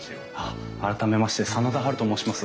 改めまして真田ハルと申します。